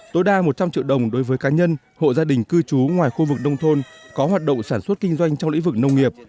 tối đa một trăm linh triệu đồng đối với cá nhân hộ gia đình cư trú ngoài khu vực nông thôn có hoạt động sản xuất kinh doanh trong lĩnh vực nông nghiệp